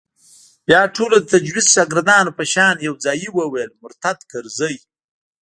بيا ټولو د تجويد د شاگردانو په شان يو ځايي وويل مرتد کرزى.